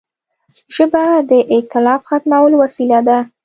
ژبه د اختلاف ختمولو وسیله ده